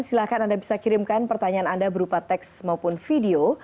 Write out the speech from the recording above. silahkan anda bisa kirimkan pertanyaan anda berupa teks maupun video